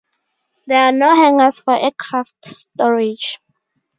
There are no hangars for aircraft storage.